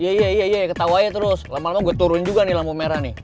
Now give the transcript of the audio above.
iya iya iya ketawanya terus lama lama gue turun juga nih lampu merah nih